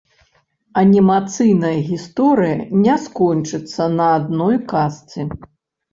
Анімацыйная гісторыя не скончыцца на адной казцы.